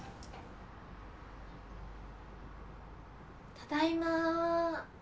ただいま。